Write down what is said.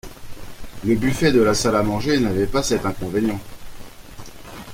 Le buffet de la salle à manger n'avait pas cet inconvénient.